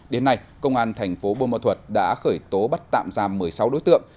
đến nay công an thành phố bô ma thuật đã khởi tố bắt tạm giam một mươi sáu đối tượng